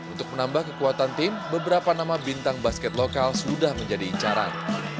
untuk menambah kekuatan tim beberapa nama bintang basket lokal sudah menjadi incaran